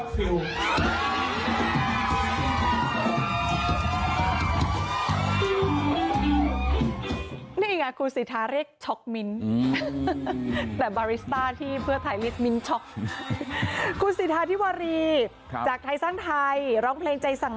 สิ่งที่ฉันทำเพราะไปใจสังหวัง